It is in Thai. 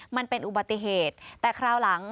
มันเป็นอุบัติเหตุแต่คราวหลัง